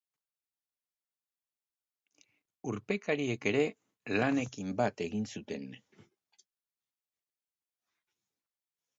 Urpekariek ere lanekin bat egin zutenr.